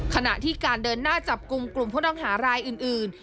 ขณะที่การเดินหน้าจับกลุ่มกลุ่มผู้ต้องหารายอื่น